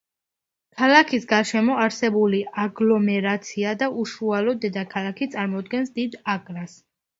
ქალაქის გარშემო არსებული აგლომერაცია და უშუალოდ დედაქალაქი, წარმოადგენს დიდ აკრას.